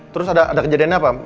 terus ada kejadiannya apa